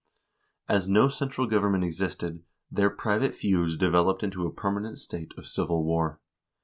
1 As no central gov ernment existed, their private feuds developed into a permanent state of civil war.